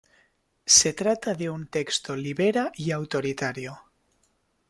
Se trata de un texto libera y autoritario.